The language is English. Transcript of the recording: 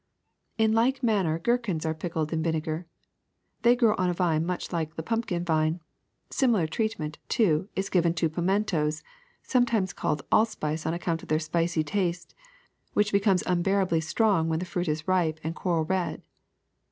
In like manner gherkins are pickled in vinegar. They grow on a vine much like the pumpkin vine. Similar treatment, too, is given to pimentos, some times called allspice on account of their spicy taste, which becomes unbearably strong when the fruit is ripe and coral red.